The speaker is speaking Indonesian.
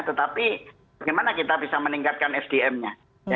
tetapi bagaimana kita bisa meningkatkan sdm nya